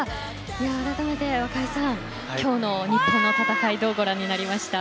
あらためて今日の日本の戦いどうご覧になりました？